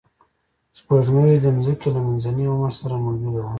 سپوږمۍ د ځمکې له منځني عمر سره موجوده وه